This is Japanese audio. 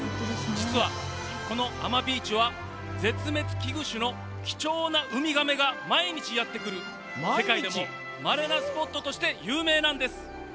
実は、この阿真ビーチは絶滅危惧種の貴重なウミガメが毎日やってくる世界でも、まれなスポットとして有名なんです。